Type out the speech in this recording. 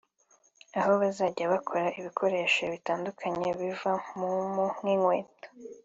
aho bazajya bakora ibikoresho bitandukanye biva mu mpu nk’inkweto